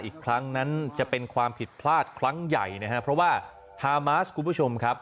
อีกครั้งนั้นจะเป็นความผิดพลาดครั้งใหญ่นะครับเพราะว่าฮามาสคุณผู้ชมครับ